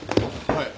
はい。